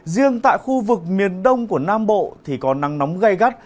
riêng tại khu vực miền đông của nam bộ thì có nắng nóng gây gắt